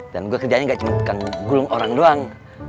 dan gue kerjanya gak cuma tekan gulung orang doang